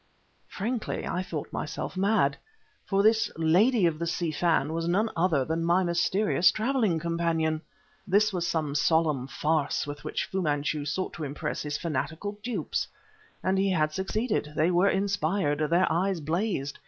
Frankly, I thought myself mad; for this "lady of the Si Fan" was none other than my mysterious traveling companion! This was some solemn farce with which Fu Manchu sought to impress his fanatical dupes. And he had succeeded; they were inspired, their eyes blazed.